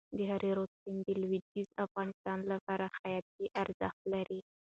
د هریرود سیند د لوېدیځ افغانستان لپاره حیاتي ارزښت لري.